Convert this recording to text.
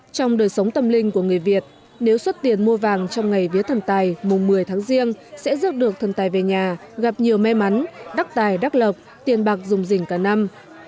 trong đời sống tâm linh của người việt nếu xuất tiền mua vàng trong ngày vía thần tài mùng một mươi tháng riêng sẽ rước được thần tài về nhà gặp nhiều may mắn đắc tài đắc lộc tiền bạc dùng dình cả năm